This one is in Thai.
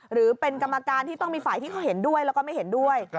หรือเป็นกรรมการที่ต้องมีฝ่ายที่เขาเห็นด้วยแล้วก็ไม่เห็นด้วย